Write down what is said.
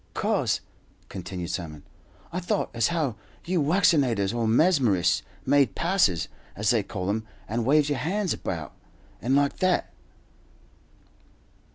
"'Cause," continued Simon, "I thought as how you waccinators, or mesmerists, made passes, as they call 'em, and waved your hands about, and like that."